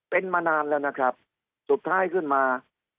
เป็นมานานแล้วนะครับสุดท้ายขึ้นมา